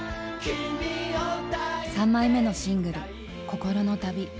３枚目のシングル「心の旅」。